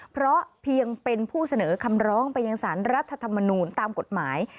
เพราะเพียงเป็นผู้เสนอคำร้องไปยังสารรัฐธรรมนูลตามกฎหมาย